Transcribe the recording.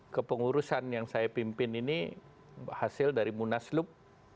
kepengurusan yang saya pimpin ini hasil dari munaslup dua ribu tujuh belas